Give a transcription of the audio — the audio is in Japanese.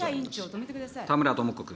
田村智子君。